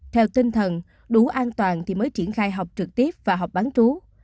theo tinh thần đủ an toàn thì mới triển khai học trực tiếp và học bán trú